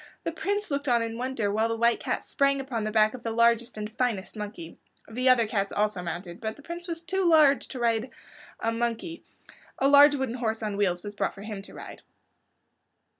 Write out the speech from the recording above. The Prince looked on in wonder while the White Cat sprang upon the back of the largest and finest monkey. The other cats also mounted, but as the Prince was too large to ride a monkey a large wooden horse on wheels was brought for him to ride.